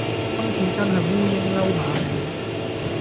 今次真係烏蠅褸馬尾